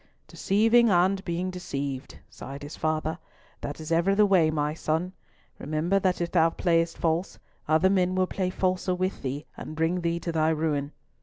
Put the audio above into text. "Deceiving and being deceived," sighed his father. "That is ever the way, my son! Remember that if thou playest false, other men will play falser with thee and bring thee to thy ruin.